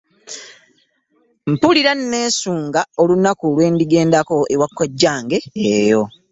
Mpulira nneesunga olunaku lwe ndigendako ewa kkojjange oyo.